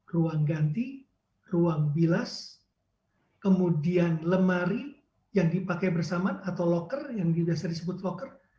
ruang ganti ruang bilas kemudian lemari yang dipakai bersamaan atau locker yang di dasar disebut locker